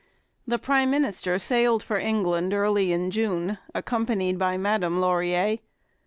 The prime minister sailed for England early in June, accompanied by Madame Laurier.